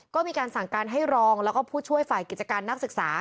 ก็มีการสั่งการให้รองแล้วก็ผู้ช่วยฝ่ายกิจการนักศึกษา